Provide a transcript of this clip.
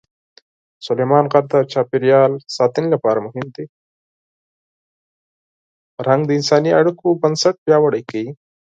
فرهنګ د انساني اړیکو بنسټ پیاوړی کوي.